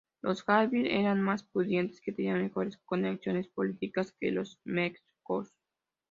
Los Hatfield eran más pudientes y tenían mejores conexiones políticas que los McCoy.